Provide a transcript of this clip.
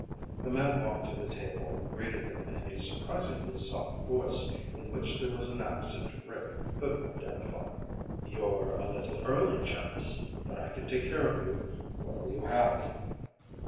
The man walked to the table and greeted them in a surprisingly soft voice in which there was an accent Rick couldn't identify. "You're a little early, gents. But I can take care of you. What'll you have?"